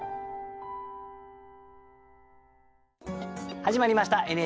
始まりました「ＮＨＫ俳句」。